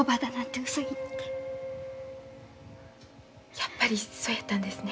やっぱりそうやったんですね。